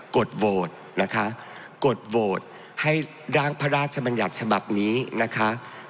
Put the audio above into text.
กดโวทย์นะคะกดโวทย์ให้ร่างพระราชมัญญาชบับนี้นะคะ